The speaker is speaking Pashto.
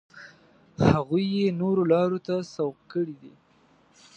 هغوی یې نورو لارو ته سوق کړي دي.